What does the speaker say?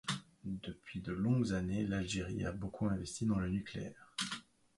Depuis de longues années, l'Algérie a beaucoup investi dans le nucléaire.